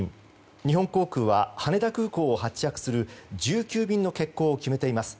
日本航空は羽田空港を発着する１９便の欠航を決めています。